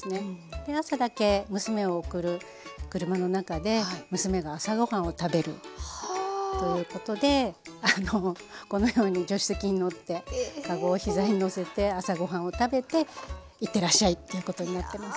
で朝だけ娘を送る車の中で娘が朝ご飯を食べるということでこのように助手席に乗って籠を膝にのせて朝ご飯を食べて行ってらっしゃいということやってます。